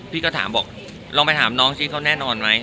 พี่ก็ถามบอกลองไปถามน้องสิเขาแน่นอนไหม